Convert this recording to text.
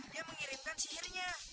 dia mengirimkan sihirnya